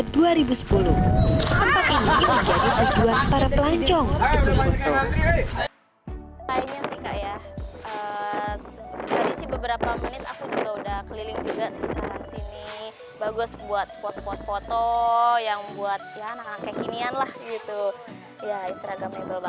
tempat ini menjadi sejujuran para pelancong untuk berbentuk